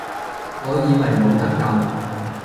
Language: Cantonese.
我以為冇得救